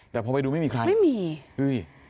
แต่พอไปดูไม่มีใครอ้๗๙๒๑๙